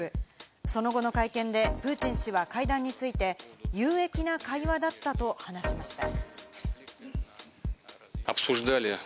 その後の会見でプーチン氏は会談について有益な会話だったと話しました。